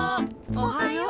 おはよう。